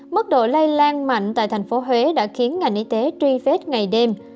mức độ lây lan mạnh tại tp huế đã khiến ngành y tế truy vết ngày đêm